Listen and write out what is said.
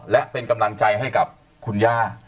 และเป็นกำลังใจให้กับคุณย่า